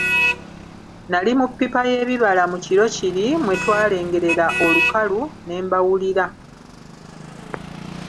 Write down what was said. Nali mu ppipa y'ebibala mu kiro kiri mwe twalengerera olukalu ne mbawulira.